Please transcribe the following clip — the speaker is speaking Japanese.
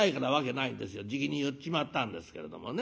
じきに結っちまったんですけれどもね。